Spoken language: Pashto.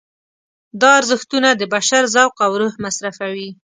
دا ارزښتونه د بشر ذوق او روح مصرفوي.